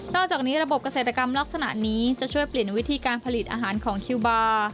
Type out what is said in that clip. อกจากนี้ระบบเกษตรกรรมลักษณะนี้จะช่วยเปลี่ยนวิธีการผลิตอาหารของคิวบาร์